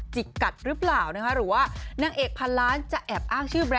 กัดหรือเปล่านะคะหรือว่านางเอกพันล้านจะแอบอ้างชื่อแบรน